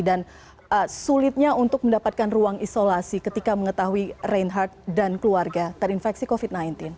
dan sulitnya untuk mendapatkan ruang isolasi ketika mengetahui reinhard dan keluarga terinfeksi covid sembilan belas